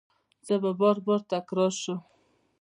زه به بار، بار تکرار شم